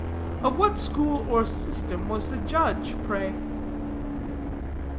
Of what school or system was the judge, pray?"